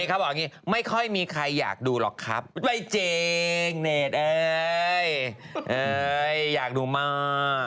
เขาบอกอย่างนี้ไม่ค่อยมีใครอยากดูหรอกครับไม่จริงเนตเอ้ยอยากดูมาก